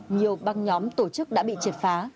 nhiều băng nhóm tổ chức đã bị triệt phá